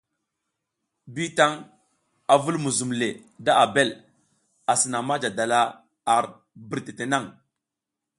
Bitan a vul muzum le da Abel, asi naŋ manja dala ar birtete naŋ.